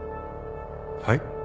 はい？